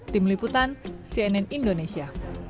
tim liputan cnn indonesia